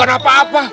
gak ada apa apa